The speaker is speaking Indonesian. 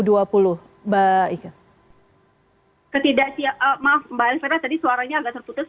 maaf mbak alifera tadi suaranya agak tertutup